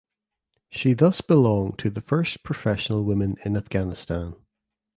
She thus belonged to the first professional women in Afghanistan.